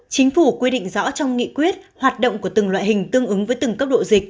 chính phủ quy định rõ trong nghị quyết hoạt động của từng loại hình tương ứng với từng cấp độ dịch